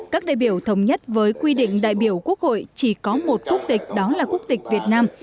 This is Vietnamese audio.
các đại biểu thống nhất với quy định đại biểu quốc hội chỉ có một quốc tịch đó là quốc tịch việt nam